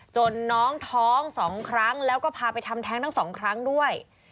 น้องท้อง๒ครั้งแล้วก็พาไปทำแท้งทั้งสองครั้งด้วย